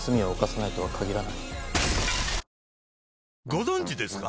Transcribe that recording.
ご存知ですか？